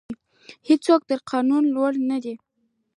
هیڅوک تر قانون لوړ نه دی.